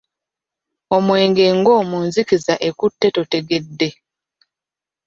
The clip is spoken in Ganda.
Omwenge ngo mu nzikiza ekutta totegedde.